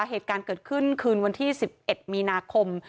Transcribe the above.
เหตุการณ์เกิดขึ้นคืนวันที่๑๑มีนาคม